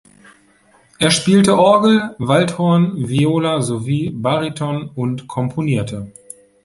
Er spielte Orgel, Waldhorn, Viola sowie Baryton und komponierte.